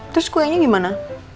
terus kuenya gimana